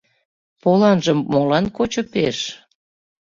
Поланже молан кочо пеш?